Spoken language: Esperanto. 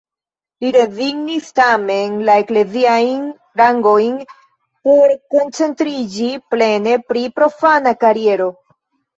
Li rezignis tamen la ekleziajn rangojn, por koncentriĝi plene pri profana kariero.